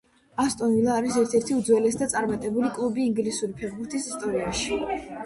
ასტონ ვილა არის ერთ-ერთი უძველესი და წარმატებული კლუბი ინგლისური ფეხბურთის ისტორიაში.